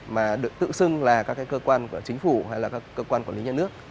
mà được tự xưng là các cơ quan của chính phủ hay là các cơ quan quản lý nhà nước